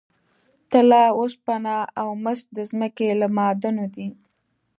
طلا، اوسپنه او مس د ځمکې له معادنو دي.